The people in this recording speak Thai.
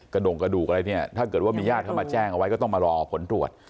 โด่งกระดูกอะไรเนี่ยถ้าเกิดว่ามีญาติเข้ามาแจ้งเอาไว้ก็ต้องมารอผลตรวจ